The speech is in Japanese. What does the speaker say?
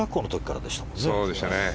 そうでしたね。